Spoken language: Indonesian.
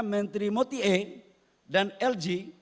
menteri moti a dan lg